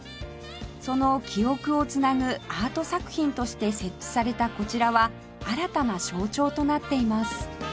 その記憶を繋ぐアート作品として設置されたこちらは新たな象徴となっています